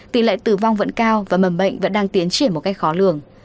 tỷ lệ tử vong vẫn cao và mầm bệnh vẫn đang tiến triển một cách khó lường